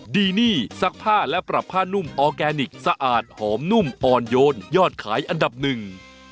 ดีนี่ซักผ้าและปรับผ้านุ่มออร์แกนิคสะอาดหอมนุ่มอ่อนโยนยอดขายอันดับหนึ่ง